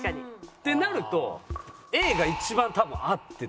ってなるとＡが一番多分合ってたのよ。